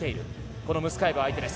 このムスカエブ相手です。